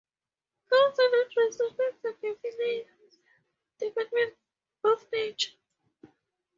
Gods are not restricted to definite departments of nature.